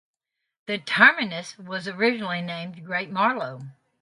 The terminus was originally named Great Marlow.